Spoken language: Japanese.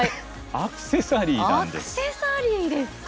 アクセサリーですか。